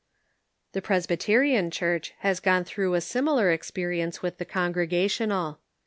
The Presbyterian Church has gone through a similar expe rience with the Congregational.